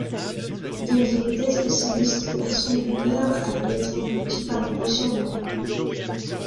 Dans les hypothèses pessimistes, la sonde lunaire allait être engloutie par la poussière lunaire.